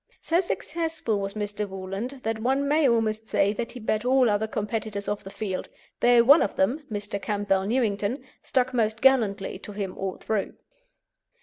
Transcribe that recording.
So successful was Mr. Woolland that one may almost say that he beat all other competitors off the field, though one of them, Mr. Campbell Newington, stuck most gallantly to him all through.